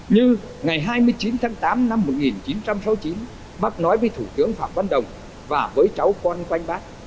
như ngày hai mươi chín tháng tám năm một nghìn chín trăm sáu mươi chín bắc nói với thủ tướng phạm văn đồng và với cháu con quanh bác